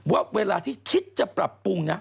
ว่าเวลาที่คิดจะปรับปรุงนะ